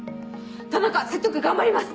田中説得頑張ります。